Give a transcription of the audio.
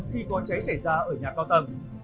khi có cháy xảy ra ở nhà cao tầng